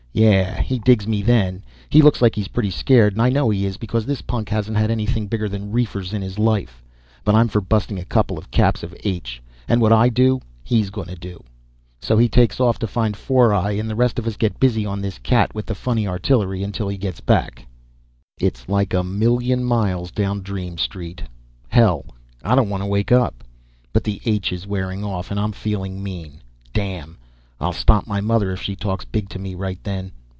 Yeah, he digs me then. He looks like he's pretty scared and I know he is, because this punk hasn't had anything bigger than reefers in his life. But I'm for busting a couple of caps of H, and what I do he's going to do. He takes off to find Four Eye and the rest of us get busy on this cat with the funny artillery until he gets back. It's like I'm a million miles down Dream Street. Hell, I don't want to wake up. But the H is wearing off and I'm feeling mean. Damn, I'll stomp my mother if she talks big to me right then.